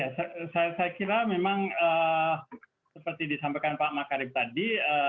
ya saya kira memang seperti disampaikan pak makarim tadi